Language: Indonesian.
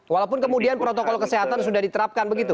walaupun kemudian protokol kesehatan sudah diterapkan begitu